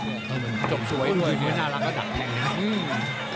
วันนี้น่ารักก็ดักแท่งนะครับ